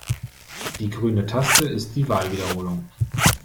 Die grüne Taste ist die Wahlwiederholung.